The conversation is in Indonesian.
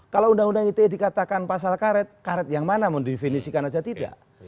kalau undang undang ite dikatakan pasal karet karet yang mana mendefinisikan saja tidak